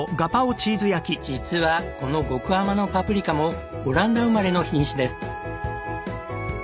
実はこの極甘のパプリカもオランダ生まれの品種です。